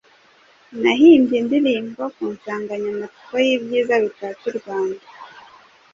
nahimbe indirimbo ku nsanganyamatsiko y’ibyiza bitatse u Rwanda.